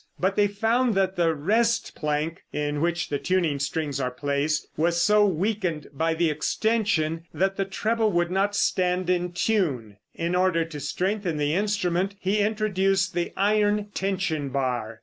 But they found that the wrest plank (in which the tuning strings are placed), was so weakened by the extension that the treble would not stand in tune. In order to strengthen the instrument, he introduced the iron tension bar.